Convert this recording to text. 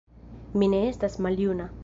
Mi ne estas maljuna